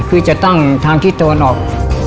คือจะตั้งทางที่ตะวันออก